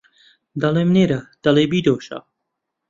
دەڵێم نێرە دەڵێ بیدۆشە